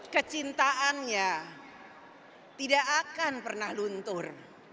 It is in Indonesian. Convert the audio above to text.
kecintaannya tidak akan pernah luntur